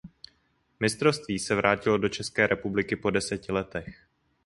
Mistrovství se vrátilo do České republiky po deseti letech.